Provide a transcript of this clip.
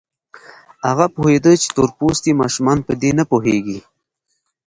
هغه پوهېده چې تور پوستي ماشومان په دې نه پوهېږي.